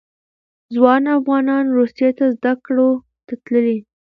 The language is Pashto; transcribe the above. ځوان افغانان روسیې ته زده کړو ته تللي.